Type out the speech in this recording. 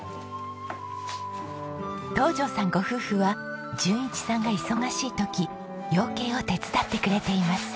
東條さんご夫婦は淳一さんが忙しい時養鶏を手伝ってくれています。